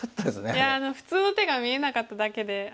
いや普通の手が見えなかっただけで。